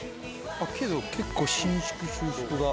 けど結構伸縮収縮が。